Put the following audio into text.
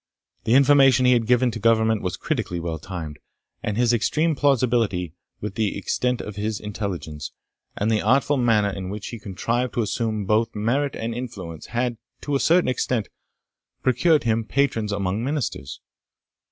The information he had given to Government was critically well timed, and his extreme plausibility, with the extent of his intelligence, and the artful manner in which he contrived to assume both merit and influence, had, to a certain extent, procured him patrons among Ministers.